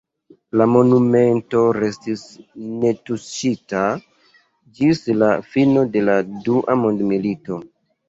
La monumento restis netuŝita ĝis la fino de la Dua mondmilito.